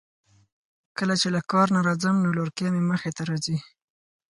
کله چې له کار نه راځم نو لورکۍ مې مخې ته راځی.